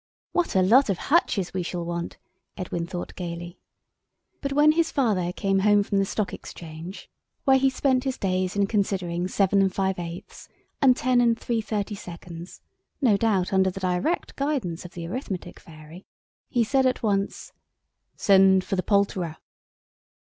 "What a lot of hutches we shall want," Edwin thought gaily. But when his father came home from the Stock Exchange, where he spent his days in considering 7⅝ and 10 3/32—no doubt under the direct guidance of the Arithmetic Fairy, he said at once— "Send for the poulterer."